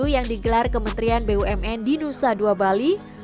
yang digelar kementerian bumn di nusa dua bali